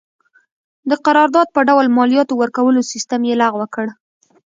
د قرارداد په ډول مالیاتو ورکولو سیستم یې لغوه کړ.